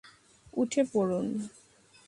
উঠে পড়ুন।